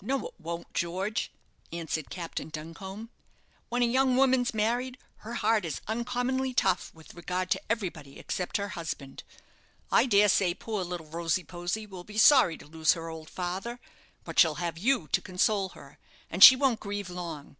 "No it won't, George," answered Captain Duncombe. "When a young woman's married, her heart is uncommonly tough with regard to everybody except her husband. I dare say poor little Rosy posy will be sorry to lose her old father; but she'll have you to console her, and she won't grieve long.